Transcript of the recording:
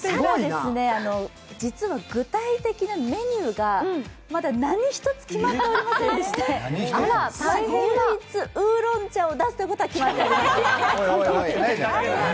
実は具体的なメニューがまだ何一つ決まっていませんでして唯一、ウーロン茶を出すということは決まっています。